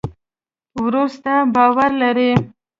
ورور ستا باور لري.